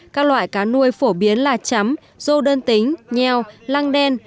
các loại cá nuôi phổ biến là chấm rô đơn tính nheo lăng đen